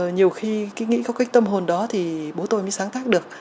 nhiều khi nghĩ có cái tâm hồn đó thì bố tôi mới sáng tác được